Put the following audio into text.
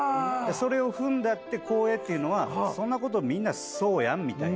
それを「踏んだって光栄」っていうのはそんな事みんなそうやんみたいな。